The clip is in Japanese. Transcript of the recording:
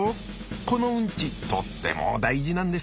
このウンチとっても大事なんです。